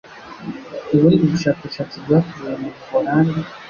Ubundi bushakashatsi bwakorewe mu Buholandi